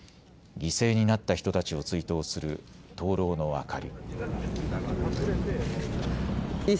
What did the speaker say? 犠牲になった人たちを追悼する灯籠の明かり。